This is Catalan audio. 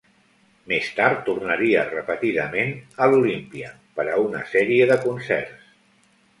Més tard tornaria repetidament a l'Olympia per a una sèrie de concerts.